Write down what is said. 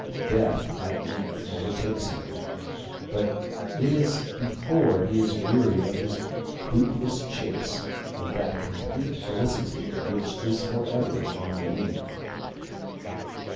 Death at length overtakes him, but it is before he is weary of his bootless chase of that complete felicity which is forever on the wing.